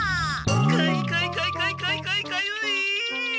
かいかいかいかいかいかいかゆい！